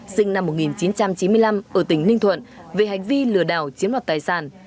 sinh năm một nghìn chín trăm chín mươi năm ở tỉnh ninh thuận về hành vi lừa đảo chiếm đoạt tài sản